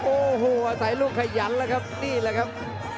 โอ้โหอาศัยลูกขยันแล้วครับนี่แหละครับ